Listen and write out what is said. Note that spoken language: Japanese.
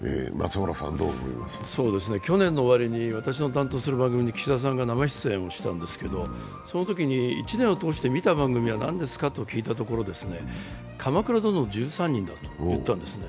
去年の終わりに私の担当する番組に岸田さんが生出演をしたんですが、そのときに１年を通して見た番組は何ですかと聞いたときに「鎌倉殿の１３人」であると言ったんですね。